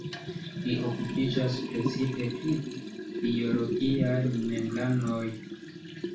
Li okupiĝas precipe pri biologiaj membranoj.